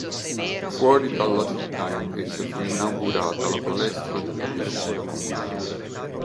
Fuori dalla città invece fu inaugurata la Palestra della Piscina Comunale.